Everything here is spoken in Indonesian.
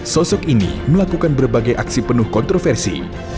sosok ini melakukan berbagai aksi penuh kontroversi